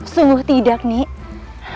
sungguh tidak niki